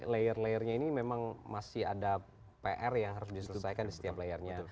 layer layernya ini memang masih ada pr yang harus diselesaikan di setiap layernya